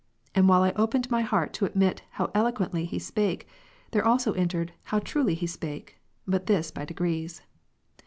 And while I opened my heart to admit " how eloquently he spake," there also entered *' how truly he sjDake;" but this by degrees.